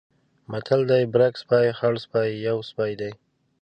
متل دی: برګ سپی، خړسپی یو سپی دی.